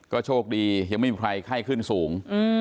ก็โชคดียังไม่มีใครไข้ขึ้นสูง